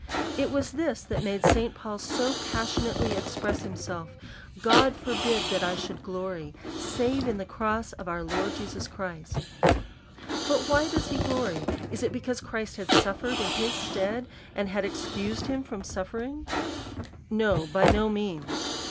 It was this that made St. Paul so passionately express himself, God forbid that I sJiould glory, save in the cross of our Lord Jesus Christ : but why does he glory ? Is it be cause Christ had suffered in his stead, and had excused himself from suffering? No, by no means.